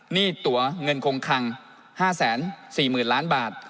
หนี้ตัวเงินคงคัง๕๔๐๐๐ล้านบาท